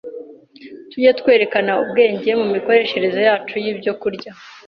Tujye twerekana ubwenge mu mikoreshereze yacu y’ibyokurya.